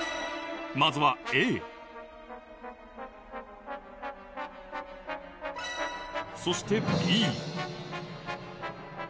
まずはＡそしてＢ